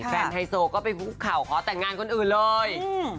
ไฮโซก็ไปคุกเข่าขอแต่งงานคนอื่นเลย